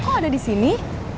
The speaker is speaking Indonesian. kok ada disini